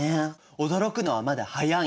驚くのはまだ早いんです。